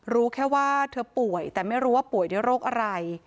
รู้แค่ว่าเธอป่วยแต่ไม่รู้ว่าป่วยด้วยโรคอะไร